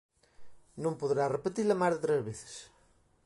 Non poderá repetila máis de tres veces.